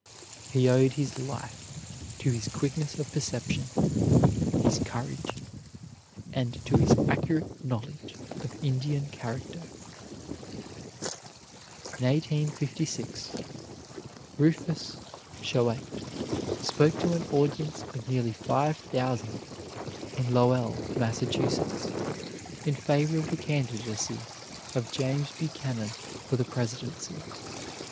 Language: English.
He owed his life to his quickness of perception, his courage, and to his accurate knowledge of Indian character. In 1856, Rufus Choate spoke to an audience of nearly five thousand in Lowell, Mass., in favor of the candidacy of James Buchanan for the presidency.